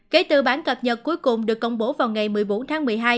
kể từ bản cập nhật cuối cùng được công bố vào ngày một mươi bốn tháng một mươi hai